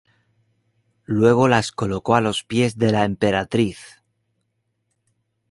Luego las colocó a los pies de la emperatriz.